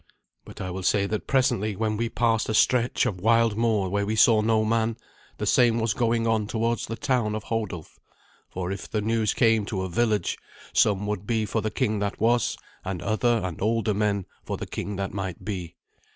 But I will say that presently, when we passed a stretch of wild moor where we saw no man, the same was going on towards the town of Hodulf; for if the news came to a village, some would be for the king that was, and other and older men for the king that might be.